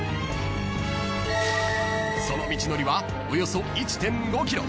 ［その道のりはおよそ１．５ｋｍ］